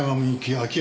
秋山